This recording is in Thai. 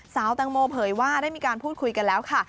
สาวแตงโมเผยว่าได้มีการพูดคุยกันแล้วค่ะ